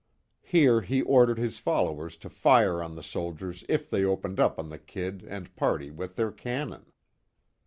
Here he ordered his followers to fire on the soldiers if they opened up on the "Kid" and party with their cannon.